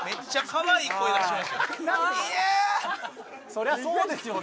そりゃそうですよね。